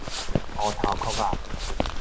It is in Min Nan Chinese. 烏頭鵠仔